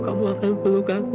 kamu akan geluk aku